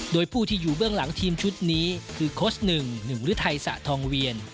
โดยผู้ที่อยู่เบื้องหลังทีมชุดนี้คือโค้ชหนึ่งหนึ่งฤทัยสะทองเวียน